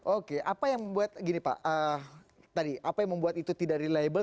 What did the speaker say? oke apa yang membuat gini pak tadi apa yang membuat itu tidak reliable